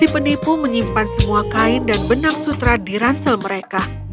penipu menyimpan semua kain dan benang sutra di ransel mereka